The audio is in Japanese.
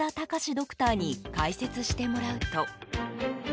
ドクターに解説してもらうと。